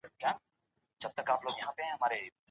ټول خلګ کډه په شا نه دي.